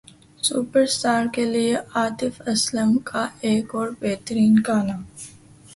superstar کے لیے عاطف اسلم کا ایک اور بہترین گانا